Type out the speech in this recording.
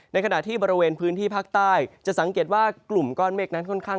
ในขณะที่บริเวณพื้นที่ภาคใต้จะสังเกตว่ากลุ่มก้อนเมฆนั้นค่อนข้าง